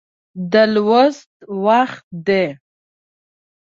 د لوست وخت دی